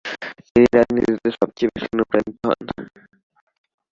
তিনি রাজনীতিতে সবচেয়ে বেশি অনুপ্রানিত হন।